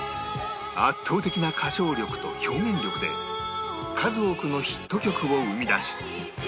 圧倒的な歌唱力と表現力で数多くのヒット曲を生み出し